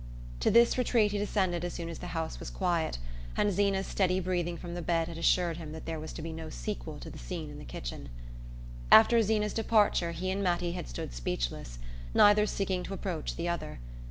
To this retreat he descended as soon as the house was quiet, and Zeena's steady breathing from the bed had assured him that there was to be no sequel to the scene in the kitchen. After Zeena's departure he and Mattie had stood speechless, neither seeking to approach the other.